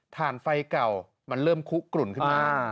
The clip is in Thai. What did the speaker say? ฐานไฟเก่ามันเริ่มคุกกลุ่นขึ้นมา